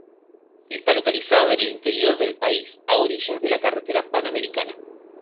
Está localizada en el interior del país a orillas de la carretera Panamericana.